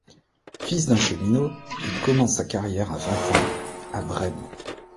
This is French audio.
Fils d'un cheminot, il commence sa carrière à vingt ans à Brême.